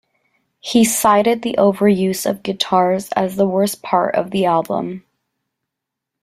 He cited the overuse of guitars as the worst part of the album.